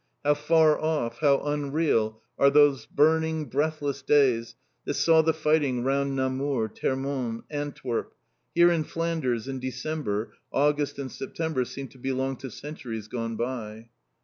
How far off, how unreal are those burning, breathless days that saw the fighting round Namur, Termonde, Antwerp. Here in Flanders, in December, August and September seem to belong to centuries gone by.